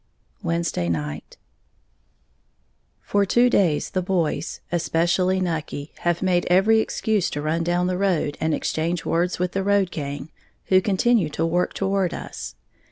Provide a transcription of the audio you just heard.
Wednesday Night. For two days the boys, especially Nucky, have made every excuse to run down the road and exchange words with the road gang, who continue to work toward us.